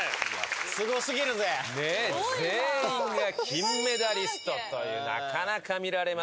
ねっ全員が金メダリストというなかなか見られませんよ